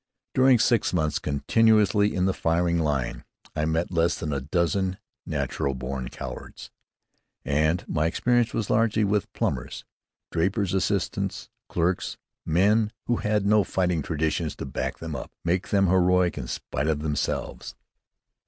During six months continuously in the firing line, I met less than a dozen natural born cowards; and my experience was largely with plumbers, drapers' assistants, clerks, men who had no fighting traditions to back them up, make them heroic in spite of themselves.